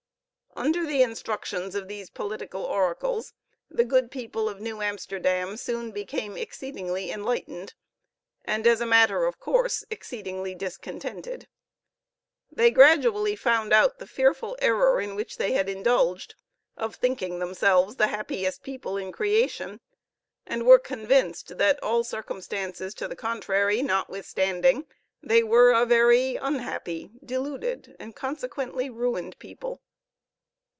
Under the instructions of these political oracles, the good people of New Amsterdam soon became exceedingly enlightened; and, as a matter of course, exceedingly discontented. They gradually found out the fearful error in which they had indulged, of thinking themselves the happiest people in creation; and were convinced that, all circumstances to the contrary not withstanding, they were a very unhappy, deluded, and consequently ruined people!